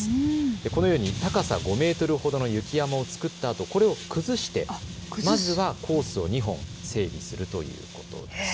このように高さ５メートルほどの雪山を作ったあと、これを崩してまずはコースを２本整備するということです。